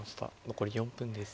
残り４分です。